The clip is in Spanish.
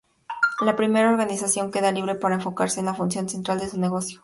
La primera organización queda libre para enfocarse en la función central de su negocio.